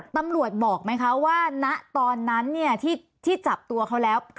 ตำรวจบอกไหมคะว่าณตอนนั้นที่จับตัวเขาแล้ว